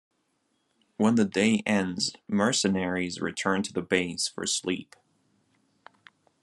When the day ends mercenaries return to the base for sleep.